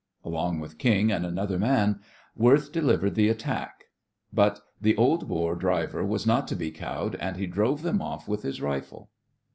Along with King and another man, Worth delivered the attack, but the old Boer driver was not to be cowed, and he drove them off with his rifle.